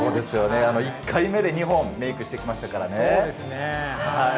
１回目で２本メイクしてきましたからね。